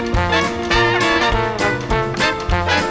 โปรดติดตามต่อไป